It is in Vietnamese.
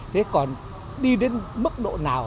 thế còn đi đến mức độ nào